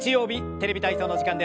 「テレビ体操」の時間です。